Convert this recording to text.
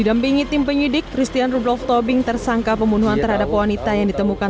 didampingi tim penyidik christian rudolf tobing tersangka pembunuhan terhadap wanita yang ditemukan